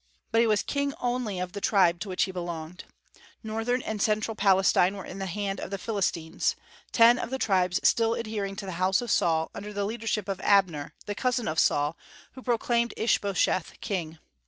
But he was king only of the tribe to which he belonged. Northern and central Palestine were in the hands of the Philistines, ten of the tribes still adhering to the house of Saul, under the leadership of Abner, the cousin of Saul, who proclaimed Ishbosheth king.